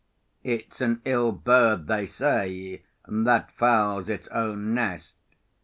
It's an ill bird, they say, that fouls its own nest.